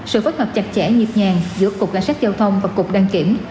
sự phát hợp chặt chẽ nhịp nhàng giữa cục lãnh sát giao thông và cục đăng kiểm